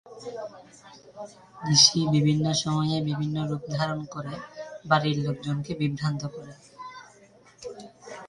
নিশি বিভিন্ন সময়ে বিভিন্ন রূপ ধারণ করে, বাড়ির লোকজনকে বিভ্রান্ত করে।